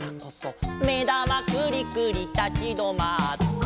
「めだまくりくりたちどまって」